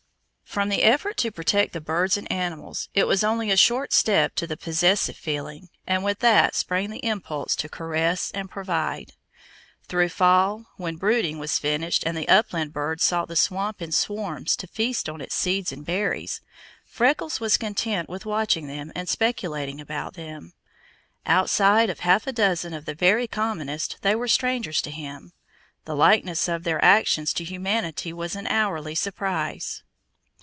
From the effort to protect the birds and animals, it was only a short step to the possessive feeling, and with that sprang the impulse to caress and provide. Through fall, when brooding was finished and the upland birds sought the swamp in swarms to feast on its seeds and berries, Freckles was content with watching them and speculating about them. Outside of half a dozen of the very commonest they were strangers to him. The likeness of their actions to humanity was an hourly surprise.